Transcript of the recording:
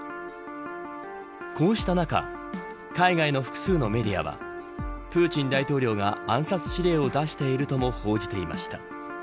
こうした中海外の複数のメディアはプーチン大統領が暗殺指令を出しているとも報じていました。